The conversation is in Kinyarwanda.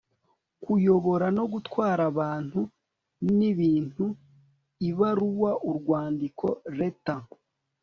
kuyobora no gutwara abantu n'ibintuibaruwa / urwandiko letter